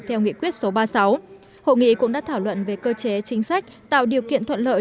theo nghị quyết số ba mươi sáu hội nghị cũng đã thảo luận về cơ chế chính sách tạo điều kiện thuận lợi